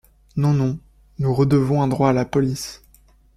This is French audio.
Non, non, nous redevons un droit à la police.